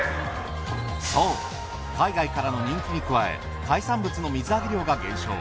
そう海外からの人気に加え海産物の水揚げ量が減少。